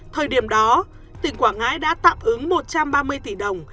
thời điểm đó tỉnh quảng ngãi đã tạm ứng một trăm ba mươi tỷ đồng